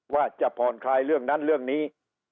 ว่าจะผ่อนคลายเรื่องนั้นเรื่องนี้